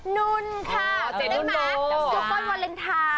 นุนค่ะเจนนุโล